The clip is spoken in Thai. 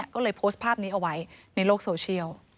ก็เลยโพสต์ภาพนี้เอาไว้ในโลกโซเชียล